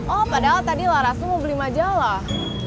oh padahal tadi laras tuh mau beli majalah